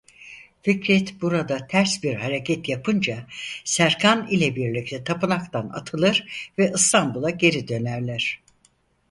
Fikret burada ters bir hareket yapınca Serkan ile birlikte tapınaktan atılır ve İstanbul'a geri dönerler.